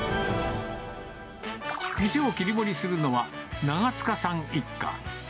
店を切り盛りするのは、長塚さん一家。